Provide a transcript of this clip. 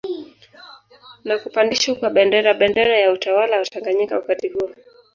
Na kupandishwa kwa Bendera bendera ya utawala wa Tanganyika wakati huo